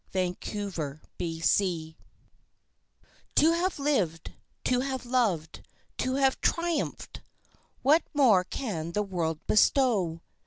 A Challenge To have lived, to have loved, to have triumphed! what more can the world bestow?